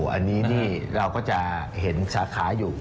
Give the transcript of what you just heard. อันนี้นี่เราก็จะเห็นสาขาอยู่